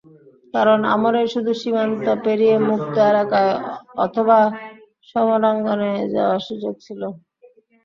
কারণ, আমারই শুধু সীমান্ত পেরিয়ে মুক্ত এলাকায় অথবা সমরাঙ্গনে যাওয়ার সুযোগ ছিল।